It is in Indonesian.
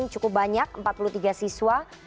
cukup banyak empat puluh tiga siswa